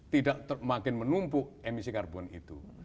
tidak makin menumpuk emisi karbon itu